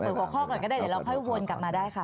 เปิดก่อข้อก่อนก็ได้แล้วเราค่อยวนกลับมาได้ค่ะ